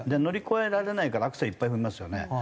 乗り越えられないからアクセルいっぱい踏みますよね。